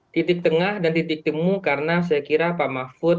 titik tengah dan titik temu karena saya kira pak mahfud